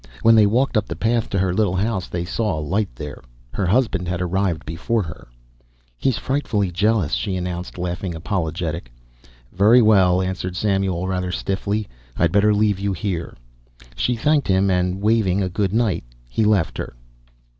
When they walked up the path to her little house they saw a light there; her husband had arrived before her. "He's frightfully jealous," she announced, laughingly apologetic. "Very well," answered Samuel, rather stiffly. "I'd better leave you here." She thanked him and, waving a good night, he left her.